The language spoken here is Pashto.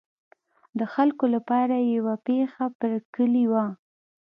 د خلکو لپاره یې یوه پښه پر کلي وه.